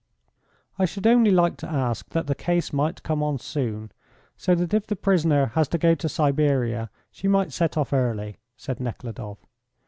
"I should only like to ask that the case might come on soon, so that if the prisoner has to go to Siberia she might set off early," said Nekhludoff.